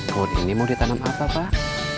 kur ini mau ditanam apa pak